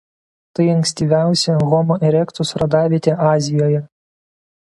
Tai ankstyviausia "Homo erectus" radavietė Azijoje.